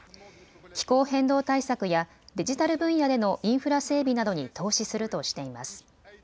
気候変動対策やデジタル分野でのインフラ整備などに投資するとしています。